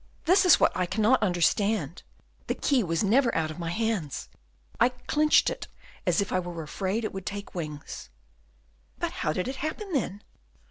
this is what I cannot understand. The key was never out of my hands; I clinched it as if I were afraid it would take wings." "But how did it happen, then?"